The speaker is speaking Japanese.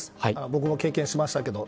僕も経験しましたけど。